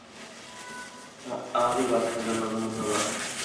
আমাদের বাঁচানোর জন্য ধন্যবাদ।